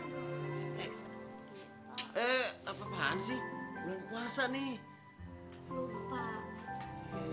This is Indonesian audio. eh eh apa apaan sih udah puasa nih